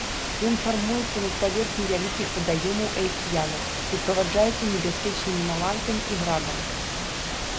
Ён фармуецца над паверхняй вялікіх вадаёмаў і акіянаў, суправаджаецца небяспечнымі маланкамі і градам.